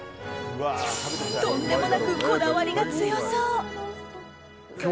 とんでもなくこだわりが強そう。